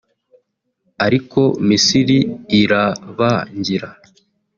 ariko Misiri irabangira